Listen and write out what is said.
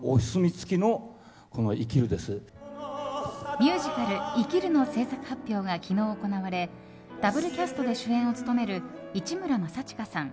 ミュージカル「生きる」の制作発表が昨日行われダブルキャストで主演を務める市村正親さん